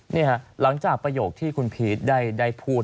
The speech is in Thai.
หลังจากประโยคที่คุณพีชได้พูด